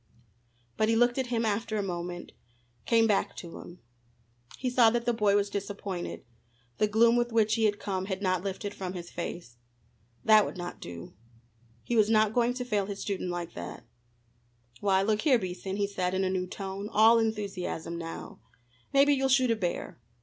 But he looked at him after a moment, came back to him. He saw that the boy was disappointed. The gloom with which he had come had not lifted from his face. That would not do. He was not going to fail his student like that. "Why, look here, Beason," he said in a new tone, all enthusiasm now, "maybe you'll shoot a bear.